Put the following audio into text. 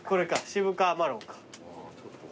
渋皮マロンか。